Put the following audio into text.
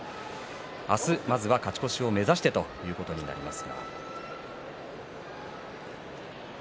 明日、勝ち越しを目指してということになります。